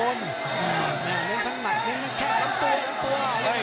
เล็งทั้งหนักเล็งทั้งแข้งล้ำตัวล้ำตัว